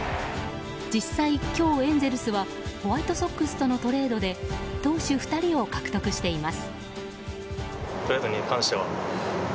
実際、今日エンゼルスはホワイトソックスとのトレードで投手２人を獲得しています。